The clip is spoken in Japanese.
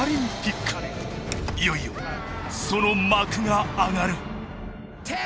いよいよその幕が上がる！